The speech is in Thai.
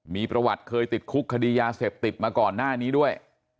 มีประวัติเคยติดคุกคดียาเสพติดมาก่อนหน้านี้ด้วย